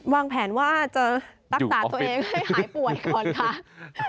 วางแผนว่าจะรักษาตัวเองให้หายป่วยก่อนค่ะ